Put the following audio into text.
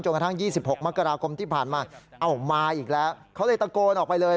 จนกระทั่งยี่สิบหกมกราวกมที่ผ่านมาเอามาอีกแล้วเขาเลยตะโกนออกไปเลย